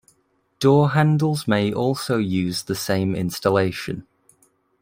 Door handles may also use the same installation.